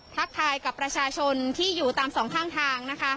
ทักทายกับประชาชนที่อยู่ตามสองข้างทางนะคะ